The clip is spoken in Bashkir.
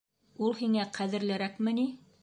Ул һиңә ҡәҙерлерәкме ни?